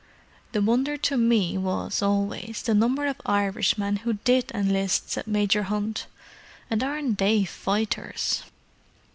"The wonder to me was, always, the number of Irishmen who did enlist," said Major Hunt. "And aren't they fighters!"